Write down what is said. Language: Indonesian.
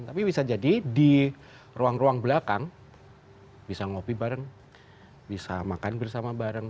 tapi bisa jadi di ruang ruang belakang bisa ngopi bareng bisa makan bersama bareng